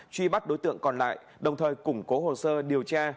truy bắt đối tượng còn lại đồng thời củng cố hồ sơ điều tra